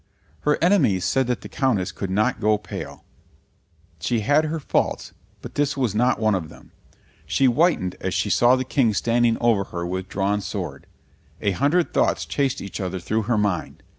Her enemies said that the Countess could not go pale; she had her faults, but this was not one of them. She whitened as she saw the King standing over her with drawn sword. A hundred thoughts chased each other through her mind.